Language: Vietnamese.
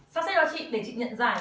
sắp xếp cho chị để chị nhận giải